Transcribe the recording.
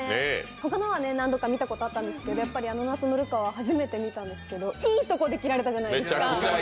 ほかのは何個か見たことあるんですけど、やっぱり「あの夏のルカ」は初めて見たんですけどいいところで切られたじゃないですか。